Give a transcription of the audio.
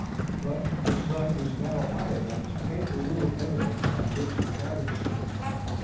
But the sun was now high enough to paint the little eminence on which the cabin stood.